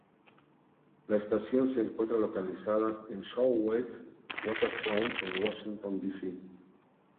La estación se encuentra localizada en el Southwest Waterfront en Washington D. C..